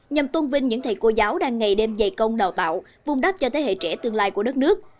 nhằm tôn vinh những thầy cô giáo đang ngày đêm dày công đào tạo vùng đắp cho thế hệ trẻ tương lai của đất nước